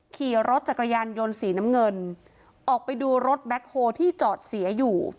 ขี่รถจักรยานยนต์สีน้ำเงินออกไปดูรถแบ็คโฮที่จอดเสียอยู่